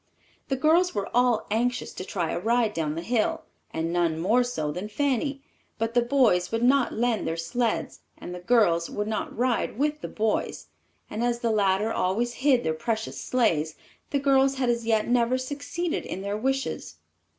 The girls were all anxious to try a ride down the hill, and none more so than Fanny; but the boys would not lend their sleds, and the girls would not ride with the boys, and as the latter always hid their precious sleighs, the girls had as yet never succeeded in their wishes.